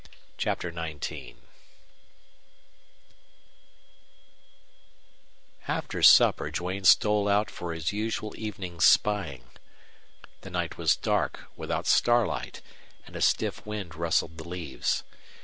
CHAPTER XIX After supper Duane stole out for his usual evening's spying. The night was dark, without starlight, and a stiff wind rustled the leaves.